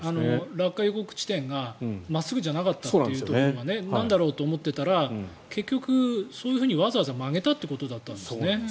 落下予告地点が真っすぐじゃなかったというところがなんだろうと思っていたら結局そういうふうにわざわざ曲げたってことだったんですね。